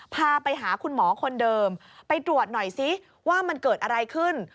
พาไปหาคุณหมอคนเดิมไปตรวจหน่อยซิว่ามันเกิดอะไรขึ้น